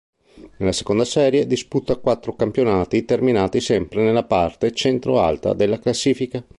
Nella seconda serie disputa quattro campionati terminati sempre nella parte centro-alta della classifica.